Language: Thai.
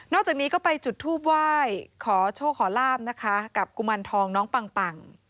จากนี้ก็ไปจุดทูบไหว้ขอโชคขอลาบนะคะกับกุมารทองน้องปัง